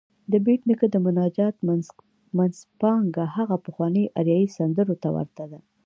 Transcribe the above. د بېټ نیکه د مناجات منځپانګه هغه پخوانيو اریايي سندرو ته ورته ده.